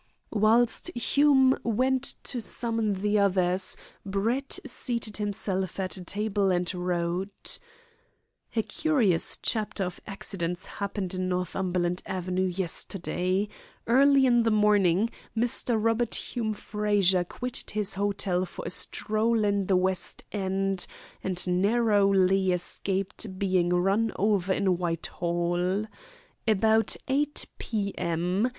Whilst Hume went to summon the others, Brett seated himself at a table and wrote: "A curious chapter of accidents happened in Northumberland Avenue yesterday. Early in the morning, Mr. Robert Hume Frazer quitted his hotel for a stroll in the West End, and narrowly escaped being run over in Whitehall. About 8 p.m.